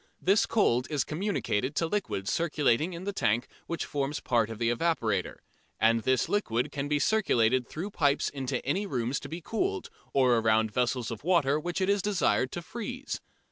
This cold is communicated to liquid circulating in the tank which forms a part of the evaporator, and this liquid can be circulated through pipes into any rooms to be cooled or around vessels of water which it is desired to freeze.